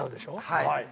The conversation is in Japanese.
はい。